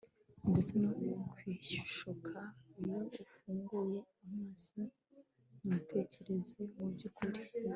ndetse no kwishuka iyo ufunguye amaso ntutekereze mubyukuri